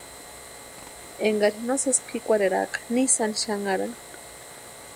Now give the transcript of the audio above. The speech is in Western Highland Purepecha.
Énkari no sési pʼikwarheraaka ni sáni xanharani.